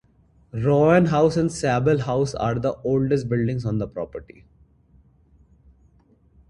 Roan House and Sable House are the oldest buildings on the property.